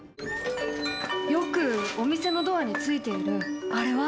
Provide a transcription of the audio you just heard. よくお店のドアについているあれは？